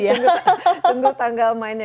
kita tunggu tanggal mainnya